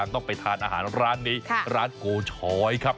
ที่จะต้องไปทานอาหารร้านมีร้านโกชอยครับ